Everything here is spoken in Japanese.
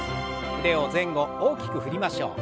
腕を前後大きく振りましょう。